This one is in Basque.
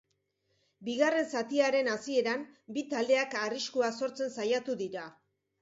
Bigarren zatiaren hasieran bi taldeak arriskua sortzen saiatu dira.